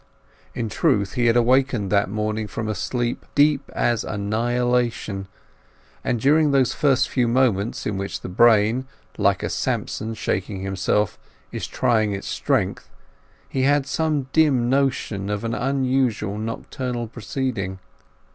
In truth, he had awakened that morning from a sleep deep as annihilation; and during those first few moments in which the brain, like a Samson shaking himself, is trying its strength, he had some dim notion of an unusual nocturnal proceeding.